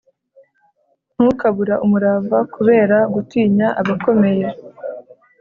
Ntukabura umurava kubera gutinya abakomeye